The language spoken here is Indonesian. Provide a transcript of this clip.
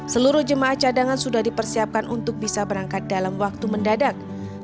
seluruh jemaah cadangan sudah dipersiapkan untuk bisa berangkat dalam waktu mendadak